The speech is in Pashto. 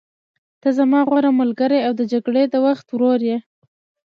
ته زما غوره ملګری او د جګړې د وخت ورور یې.